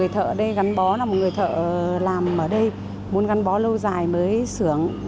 ở đây gắn bó là một người thợ làm ở đây muốn gắn bó lâu dài mới sưởng